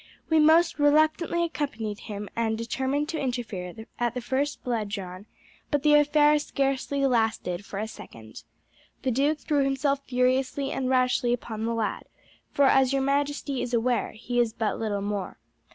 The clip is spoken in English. We most reluctantly accompanied him, and determined to interfere at the first blood drawn; but the affair scarcely lasted for a second. The duke threw himself furiously and rashly upon the lad, for as your majesty is aware, he is but little more.